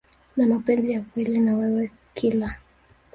na mapenzi ya kweli na wewe Kila